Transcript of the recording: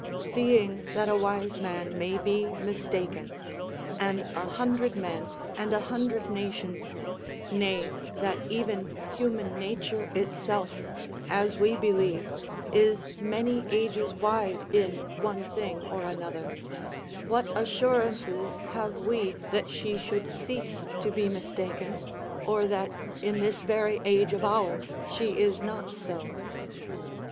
Seeing that a wise man may be mistaken, and a hundred men and a hundred nations, nay, that even human nature itself, as we believe, is many ages wide in one thing or another, what assurances have we that she should cease to be mistaken, or that in this very age of ours she is not so?